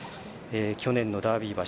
去年のダービー馬